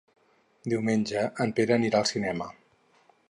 Diumenge en Pere anirà al cinema.